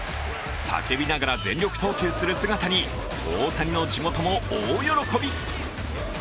叫びながら全力投球する姿に大谷の地元も大喜び。